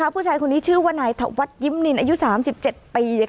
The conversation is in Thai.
ผู้ชายคนนี้ชื่อว่านายธวัฒนยิ้มนินอายุ๓๗ปี